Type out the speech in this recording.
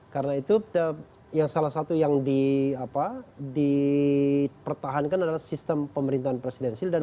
karena itu yang salah satu yang di apa dipertahankan adalah sistem pemerintahan presidensil dan